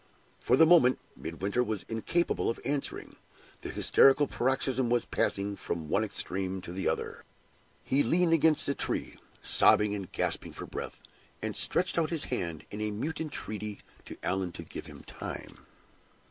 For the moment, Midwinter was incapable of answering. The hysterical paroxysm was passing from one extreme to the other. He leaned against a tree, sobbing and gasping for breath, and stretched out his hand in mute entreaty to Allan to give him time.